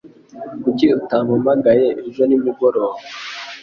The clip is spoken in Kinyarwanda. Kuki utampamagaye ejo nimugoroba?